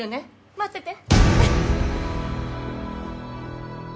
待ってて。